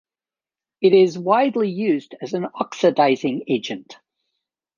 It is widely used as an oxidizing agent.